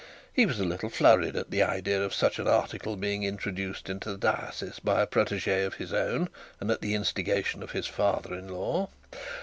He was a little flurried at the idea of such an article, being introduced into the diocese by a protege of his own, and at the instigation of his father in law.